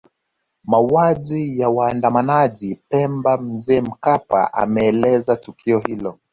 Mauaji ya waandamanaji Pemba Mzee Mkapa ameeleza tukio hilo